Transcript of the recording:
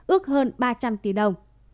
ước hơn ba trăm linh tỷ đồng